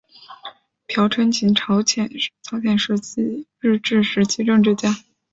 朴春琴朝鲜日治时期政治家。